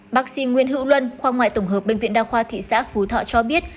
bác sĩ nguyễn hữu luân khoa ngoại tổng hợp bệnh viện đa khoa thị xã phú thọ cho biết